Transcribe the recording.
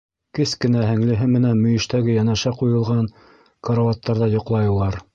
Кескенә һеңлеһе менән мөйөштәге йәнәшә ҡуйылған карауаттарҙа йоҡлай улар.